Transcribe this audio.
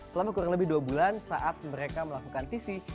selama kurang lebih dua bulan saat mereka melakukan tisi